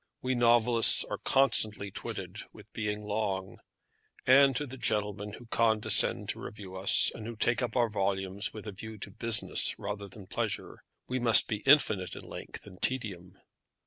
We novelists are constantly twitted with being long; and to the gentlemen who condescend to review us, and who take up our volumes with a view to business rather than pleasure, we must be infinite in length and tedium.